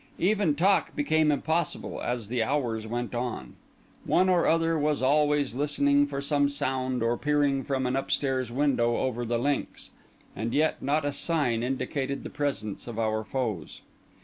Even talk became impossible, as the hours went on. One or other was always listening for some sound, or peering from an upstairs window over the links. And yet not a sign indicated the presence of our foes.